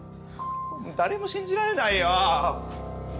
誰も信じられないよ！